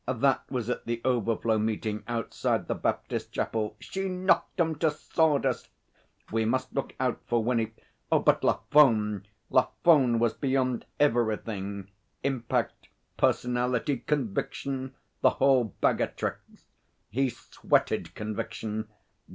That was at the overflow meeting outside the Baptist chapel. She knocked 'em to sawdust! We must look out for Winnie.... But Lafone! Lafone was beyond everything. Impact, personality conviction the whole bag o' tricks! He sweated conviction.